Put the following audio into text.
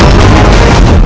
aku akan menang